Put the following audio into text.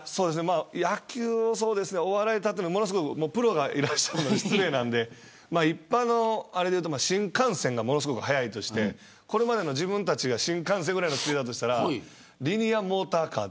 野球をお笑いで例えるならプロがいらっしゃるので失礼なんで一般のあれでいうと新幹線がものすごく速いとしてこれまでの自分たちが新幹線だったとしたらリニアモーターカー。